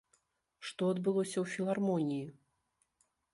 Што адбылося ў філармоніі?